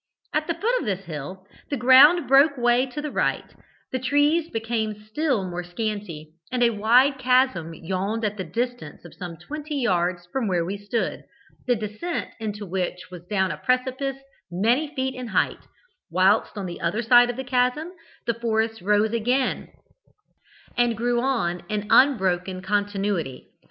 At the foot of this hill the ground broke away to the right, the trees became still more scanty, and a wide chasm yawned at the distance of some twenty yards from where we stood, the descent into which was down a precipice many feet in height, whilst on the other side of the chasm the forest rose again, and grew on in unbroken continuity.